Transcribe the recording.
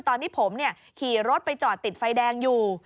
ตอนที่ผมขี่รถไปจอดติดไฟแดงอยู่